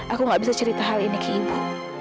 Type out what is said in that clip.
aku gak bisa cerita hal ini ke ibu